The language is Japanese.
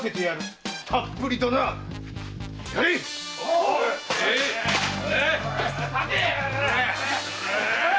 〔たっぷりとな。やれっ！〕